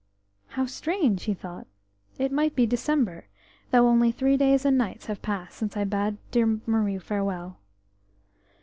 OW strange!" he thought. "It might be December, though only three days and nights have passed since I bade dear Marie farewell.